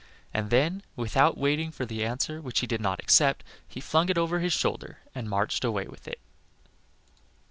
And then, without waiting for the answer which he did not expect, he flung it over his shoulder and marched away with it.